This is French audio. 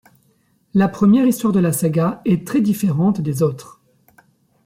La première histoire de la saga est très différente des autres.